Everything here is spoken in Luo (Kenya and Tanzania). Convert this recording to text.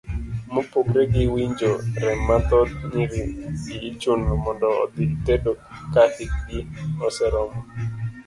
Mopogore gi winjo rem mathoth, nyiri gi ichuno mondo odhi tedo ka hikgi oseromo.